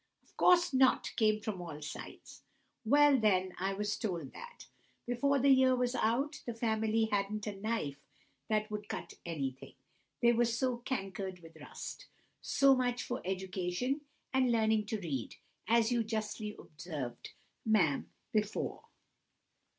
"Of course not!" came from all sides. "Well, then, I was told that, before the year was out, the family hadn't a knife that would cut anything, they were so cankered with rust. So much for education and learning to read, as you justly observed, ma'am, before!"